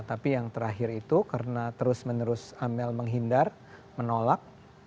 tapi yang terakhir itu karena terus menerus amel menghindar menolak